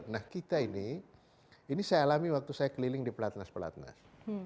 nah kita ini ini saya alami waktu saya keliling di pelatnas pelatnas